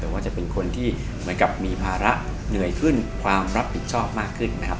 แต่ว่าจะเป็นคนที่เหมือนกับมีภาระเหนื่อยขึ้นความรับผิดชอบมากขึ้นนะครับ